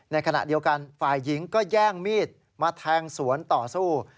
ในขณะเดียวกันฝ่ายหญิงก็แย่งมีดมาแทงสวนต่อสู้